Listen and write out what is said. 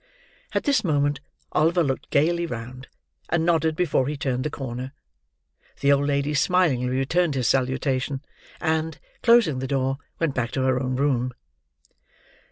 At this moment, Oliver looked gaily round, and nodded before he turned the corner. The old lady smilingly returned his salutation, and, closing the door, went back to her own room.